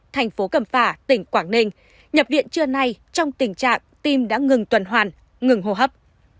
thành phố cẩm phả tỉnh quảng ninh nhập viện trưa nay trong tình trạng tim đã ngừng tuần hoàn ngừng hô hấp